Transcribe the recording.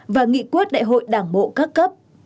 và nghị quốc đại hội đảng bộ các cấp